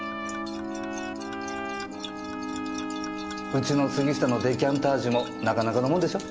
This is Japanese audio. うちの杉下のデカンタージュもなかなかのもんでしょ？